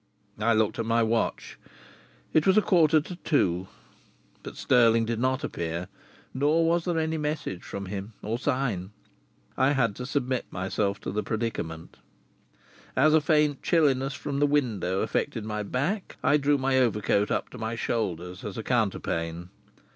I looked at my watch. It was a quarter to two. But Stirling did not appear, nor was there any message from him or sign. I had to submit to the predicament. As a faint chilliness from the window affected my back I drew my overcoat up to my shoulders as a counterpane.